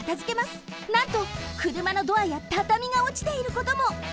なんとくるまのドアやたたみがおちていることも！